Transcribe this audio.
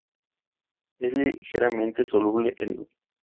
Es ligeramente soluble en agua.